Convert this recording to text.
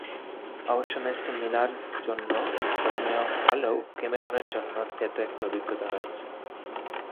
অবশ্য ম্যাচটি মিলার জন্য স্মরণীয় হলেও ক্যামেরুনের জন্য তেতো একটা অভিজ্ঞতা হয়ে আছে।